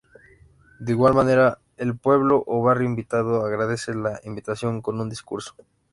De igual manera el pueblo o barrio invitado agradece la invitación con un discurso.